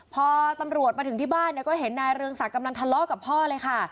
พอตำรวจมาถึงที่บ้านเนี่ยก็เห็นนายเรืองศักดิ์กำลังทะเลาะกับพ่อเลยค่ะ